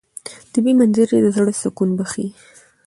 طبیعي منظرې د زړه سکون بښي.